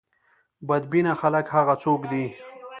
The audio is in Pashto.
بد بینه خلک هغه څوک دي.